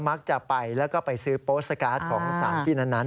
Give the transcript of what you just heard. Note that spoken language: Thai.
มักจะไปแล้วก็ไปซื้อโปสการ์ดของสารที่นั้น